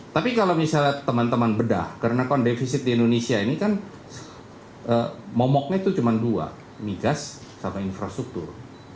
tapi kalau misalnya teman teman bedah karena kondefisit di indonesia ini kan momoknya itu cuma dua migas sama infrastruktur